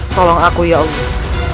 tolong aku ya allah